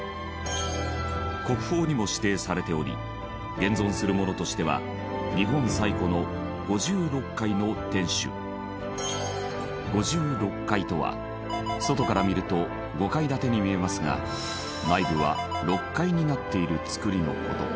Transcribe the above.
国宝にも指定されており現存するものとしては五重六階とは外から見ると５階建てに見えますが内部は６階になっている造りの事。